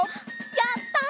やったね。